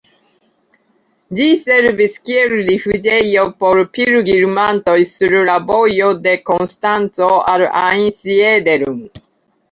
Ĝi servis kiel rifuĝejo por pilgrimantoj sur la vojo de Konstanco al Einsiedeln.